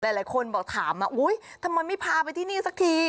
หลายคนบอกถามมาอุ๊ยทำไมไม่พาไปที่นี่สักที